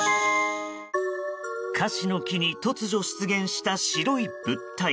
カシの木に突如、出現した白い物体。